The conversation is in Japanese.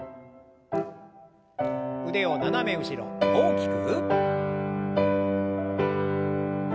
腕を斜め後ろ大きく。